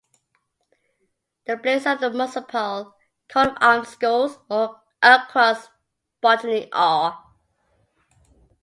The blazon of the municipal coat of arms is Gules, a Cross bottony Or.